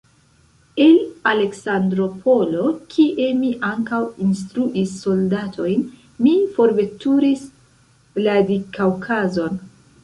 El Aleksandropolo, kie mi ankaŭ instruis soldatojn, mi forveturis Vladikaŭkazon.